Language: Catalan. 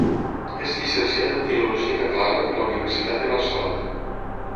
És llicenciada en Filologia Catalana per la Universitat de Barcelona.